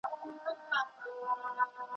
څېړونکی د خپلي پوهي له مخي کار کوي.